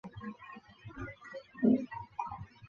川北钩距黄堇为罂粟科紫堇属下的一个种。